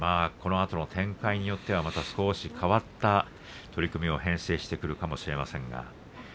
このあとの展開によっては少し変わった取組を編成してくるかもしれません。